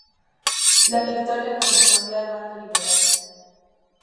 La victoria correspondió al bando liberal.